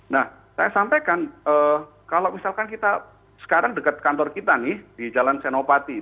nah saya sampaikan kalau misalkan kita sekarang dekat kantor kita nih di jalan senopati